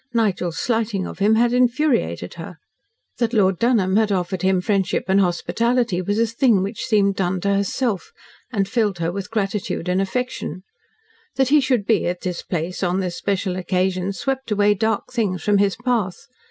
Nigel's slighting of him had infuriated her; that Lord Dunholm had offered him friendship and hospitality was a thing which seemed done to herself, and filled her with gratitude and affection; that he should be at this place, on this special occasion, swept away dark things from his path.